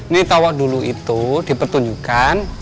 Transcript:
nih tawa dulu itu dipertunjukkan